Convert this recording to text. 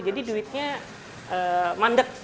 jadi duitnya mandek